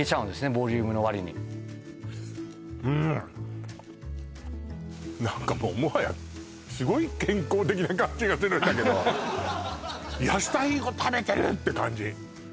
ボリュームのわりにうん何かもうもはやすごい健康的な感じがするんだけどって感じ